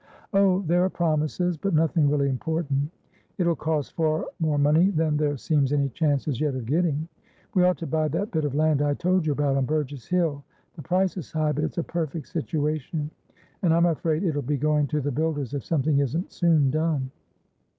"Oh, there are promises, but nothing really important. It'll cost far more money than there seems any chance as yet of getting. We ought to buy that bit of land I told you about on Burgess Hill. The price is high, but it's a perfect situation, and I'm afraid it'll be going to the builders if something isn't soon done."